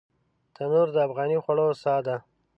تنور د افغاني خوړو ساه ده